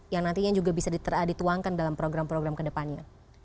yang nantinya juga bisa dituangkan dalam program program ke depannya